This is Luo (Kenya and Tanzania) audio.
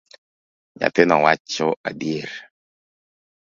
Nyathino wacho adieri.